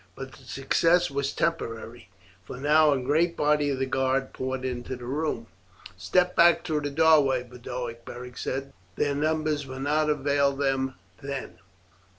But the success was temporary, for now a great body of the guard poured into the room. "Step back through the doorway, Boduoc," Beric said; "their numbers will not avail them then."